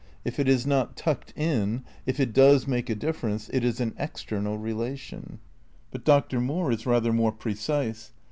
If it is not tucked in, if it does make a difference, it is an external relation. But Dr. Moore is rather more precise.